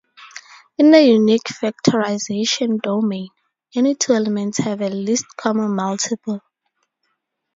In a unique factorization domain, any two elements have a least common multiple.